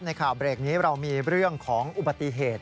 ข่าวเบรกนี้เรามีเรื่องของอุบัติเหตุ